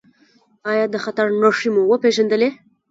ایا د خطر نښې مو وپیژندلې؟